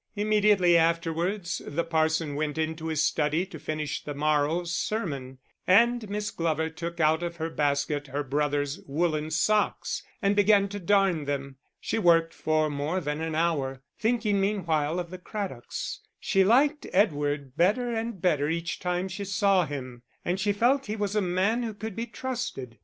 Immediately afterwards the parson went into his study to finish the morrow's sermon, and Miss Glover took out of her basket her brother's woollen socks and began to darn them. She worked for more than an hour, thinking meanwhile of the Craddocks; she liked Edward better and better each time she saw him, and she felt he was a man who could be trusted.